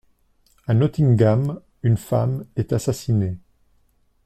À Nottingham, une femme est assassinée.